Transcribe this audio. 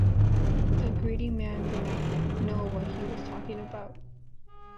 That greedy man did not know what he was talking about.